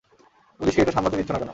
পুলিশকেই এটা সামলাতে দিচ্ছ না কেন?